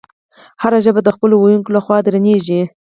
هره ژبه د خپلو ویونکو له خوا درنیږي.